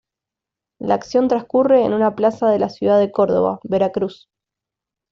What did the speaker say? La acción transcurre en una plaza de la ciudad de Córdoba, Veracruz.